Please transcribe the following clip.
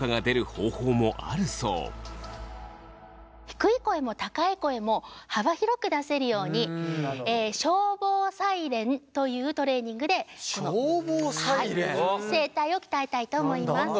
低い声も高い声も幅広く出せるように消防サイレンというトレーニングで声帯を鍛えたいと思います。